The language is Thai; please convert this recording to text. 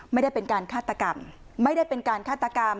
ไม่ได้เป็นการฆาตกรรมไม่ได้เป็นการฆาตกรรม